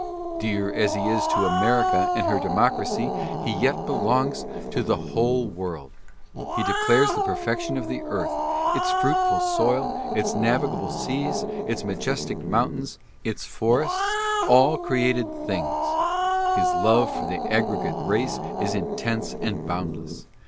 Dear as he is to America and her democracy, he yet belongs to the whole world. He declares the perfection of the earth — its fruitful soil, its navigable seas, its majestic mountains, its forests, all created things. His love for the aggregate race is intense and boundless.